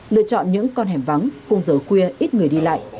lựa chọn những con hẻm vắng khung giờ khuya ít người đi lại